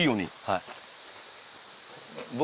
はい。